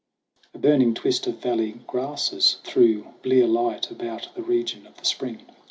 A burning twist of valley grasses threw Blear light about the region of the spring.